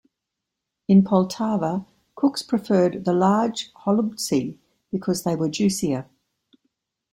In Poltava cooks preferred the large holubtsi because they were juicier.